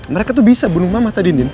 mereka tuh bisa bunuh mama tadi nin